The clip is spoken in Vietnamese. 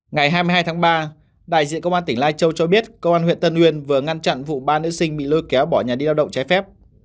ngày hai mươi hai tháng ba đại diện công an tỉnh lai châu cho biết công an huyện tân uyên vừa ngăn chặn vụ ba nữ sinh bị lôi kéo bỏ nhà đi lao động trái phép